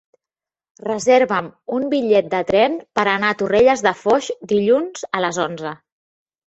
Reserva'm un bitllet de tren per anar a Torrelles de Foix dilluns a les onze.